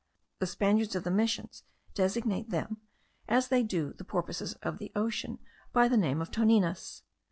The Spaniards of the Missions designate them, as they do the porpoises of the ocean, by the name of toninas.